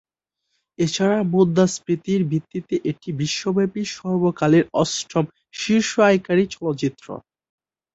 এছাড়া মুদ্রাস্ফীতির ভিত্তিতে এটি বিশ্বব্যাপী সর্বকালের অষ্টম শীর্ষ আয়কারী চলচ্চিত্র।